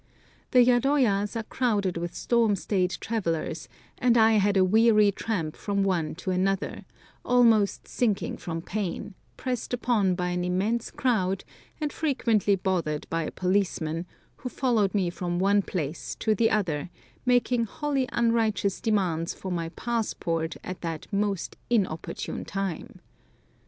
The yadoyas are crowded with storm staid travellers, and I had a weary tramp from one to another, almost sinking from pain, pressed upon by an immense crowd, and frequently bothered by a policeman, who followed me from one place to the other, making wholly unrighteous demands for my passport at that most inopportune time.